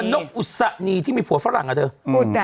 นกอุศนีที่มีผัวฝรั่งอ่ะเธอ